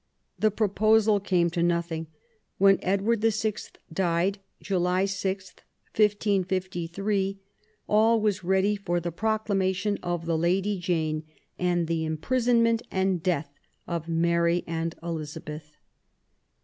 The proposal came to nothing. When Edward VI. died, July 6, 1553, all was ready for the proclamation of the Lady Jane, and the im prisonment and death of Mary and Elizabeth.